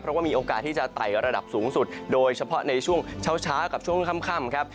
เพราะว่ามีโอกาสที่จะไต่ระดับสูงสุดโดยเฉพาะในช่วงเช้ากับช่วงค่ำครับ